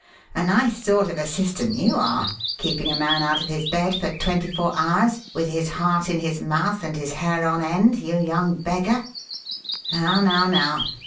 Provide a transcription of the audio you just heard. "A nice sort of assistant you are keeping a man out of his bed for twenty four hours, with his heart in his mouth and his hair on end, you young beggar. Now, now, now!